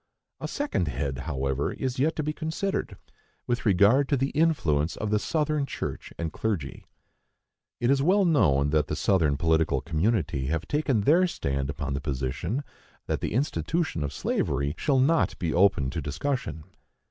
A second head, however, is yet to be considered, with regard to the influence of the Southern church and clergy. It is well known that the Southern political community have taken their stand upon the position that the institution of slavery shall not be open to discussion.